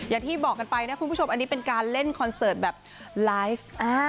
อย่างที่บอกกันไปนะคุณผู้ชมอันนี้เป็นการเล่นคอนเสิร์ตแบบไลฟ์